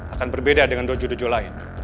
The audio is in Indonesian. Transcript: akan berbeda dengan dojo dojo lain